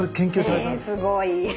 えすごい。